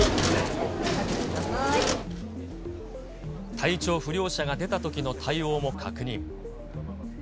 体調不良者が出たときの対応も確認。